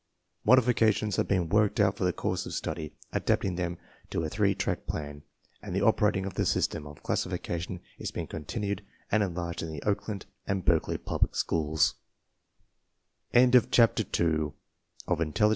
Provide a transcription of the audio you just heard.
Modifications are being worked out for the courses of study, adapting them to a three track plan, and the operation of the system of classification is being con tinued and enlarged in the Oakland and Berkeley public schools.